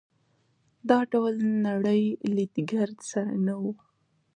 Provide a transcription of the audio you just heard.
دا ډول نړۍ لید ګرد سره نه وو.